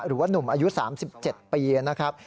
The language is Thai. หรือว่านุ่มอายุ๓๗ปีนะครับ